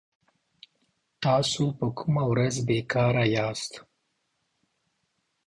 تاسو په کومه ورځ بي کاره ياست